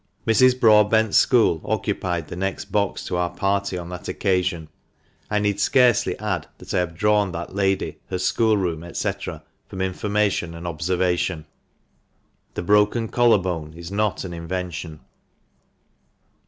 Mrs. Broadbent's school occupied the next box to our party on that occasion. I need scarcely add that I have drawn that lady, her schoolroom, &c., from information and observation. The broken collar bone is not an invention.